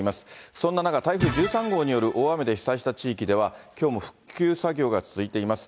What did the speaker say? そんな中、台風１３号による大雨で被災した地域では、きょうも復旧作業が続いています。